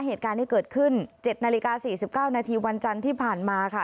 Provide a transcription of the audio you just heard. เหตุการณ์ที่เกิดขึ้น๗นาฬิกา๔๙นาทีวันจันทร์ที่ผ่านมาค่ะ